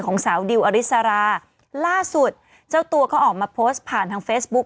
สาวดิวอริสราล่าสุดเจ้าตัวก็ออกมาโพสต์ผ่านทางเฟซบุ๊ค